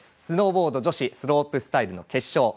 スノーボード女子スロープスタイルの決勝